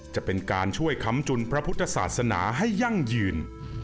จะเป็นการช่วยค้ำจุนพระพุทธศาสนาให้ยั่งยืน